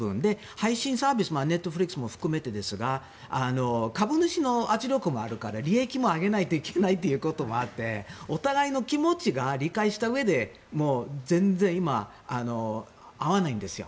配信サービスネットフリックスも含めてですが株主の圧力もあるから利益も上げないといけないということもあってお互いの気持ちが理解したうえで全然今、合わないんですよ。